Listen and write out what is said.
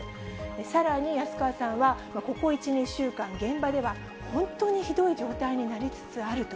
さらに、安川さんは、ここ１、２週間、現場では本当にひどい状態になりつつあると。